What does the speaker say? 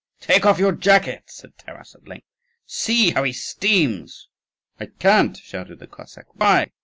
"Take off your jacket!" said Taras at length: "see how he steams!" "I can't," shouted the Cossack. "Why?"